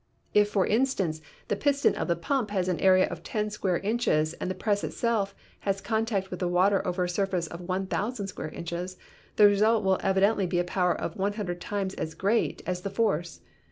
If, for instance, the piston of the pump has an area of 10 square inches and the press itself has contact with the water over a surface of 1,000 square inches, the result will evidently be a power 100 times as great as the force.